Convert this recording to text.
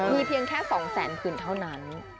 มีเพียงแค่๒แสนผื่นเท่านั้น